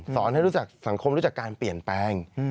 สอนให้สังคมรู้จักการเปลี่ยนแปลง